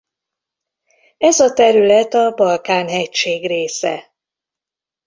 Ez a terület a Balkán-hegység része.